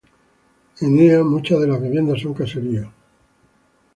En Ea, muchas de las viviendas son caseríos.